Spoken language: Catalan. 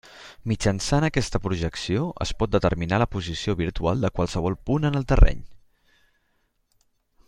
Mitjançant aquesta projecció, es pot determinar la posició virtual de qualsevol punt en el terreny.